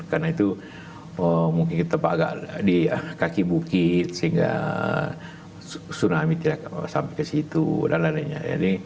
karena itu mungkin kita agak di kaki bukit sehingga tsunami tidak sampai ke situ dan lain lainnya